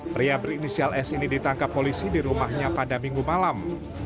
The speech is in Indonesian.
pria berinisial s ini ditangkap polisi di rumahnya pada minggu malam